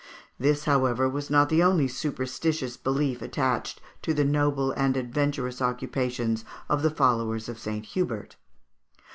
This, however, was not the only superstitious belief attached to the noble and adventurous occupations of the followers of St. Hubert.